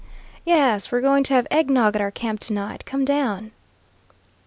"Yes; we're going to have egg nog at our camp to night. Come down."